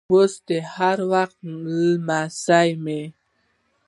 اوس دې هر وخت لمسوم